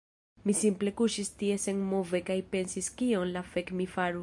Mi simple kuŝis tie senmove kaj pensis kion la fek' mi faru